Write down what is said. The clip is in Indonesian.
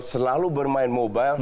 selalu bermain mobile